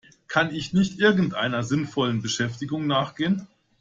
Kann ich nicht irgendeiner sinnvollen Beschäftigung nachgehen?